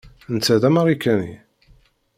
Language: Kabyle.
Netta d Amarikani.